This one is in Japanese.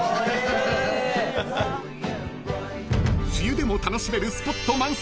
［梅雨でも楽しめるスポット満載］